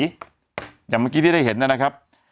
อย่างเมื่อกี้ที่ได้เห็นนะครับ